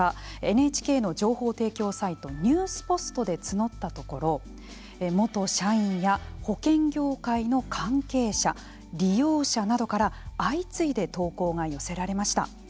ＮＨＫの情報提供サイト「ニュースポスト」で募ったところ元社員や保険業界の関係者利用者などから相次いで投稿が寄せられました。